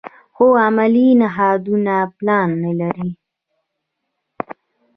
خو علمي نهادونه پلان نه لري.